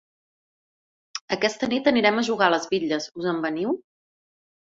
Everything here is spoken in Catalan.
Aquesta nit anirem a jugar a les bitlles, us en veniu?